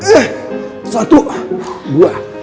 eh satu dua